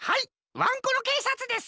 ワンコロけいさつです。